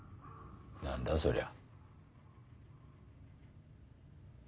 何だそりゃ。